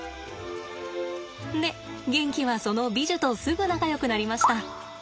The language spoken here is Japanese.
でゲンキはそのビジュとすぐ仲よくなりました。